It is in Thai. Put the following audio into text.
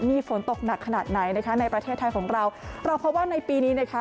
มีฝนตกหนักขนาดไหนนะคะในประเทศไทยของเราเราพบว่าในปีนี้นะคะ